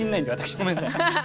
ごめんなさい。